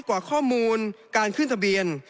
กว่าข้อมูลการขึ้นทะเบียน